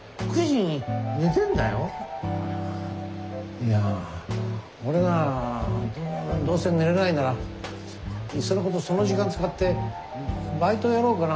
いや俺はどうせ寝れないならいっそのことその時間使ってバイトやろうかなと思ってんの。